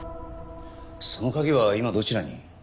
その鍵は今どちらに？